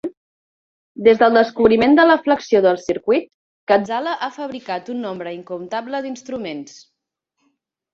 Des del descobriment de la flexió del circuit, Ghazala ha fabricat un nombre incomptable d'instruments.